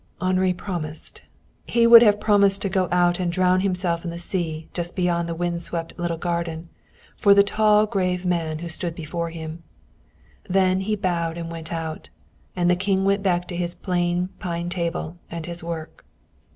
Henri promised. He would have promised to go out and drown himself in the sea, just beyond the wind swept little garden, for the tall grave man who stood before him. Then he bowed and went out, and the King went back to his plain pine table and his work.